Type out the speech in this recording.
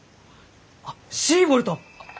あっシーボルト！？